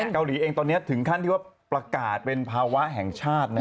เกาหลีเองตอนนี้ถึงขั้นที่ว่าประกาศเป็นภาวะแห่งชาตินะ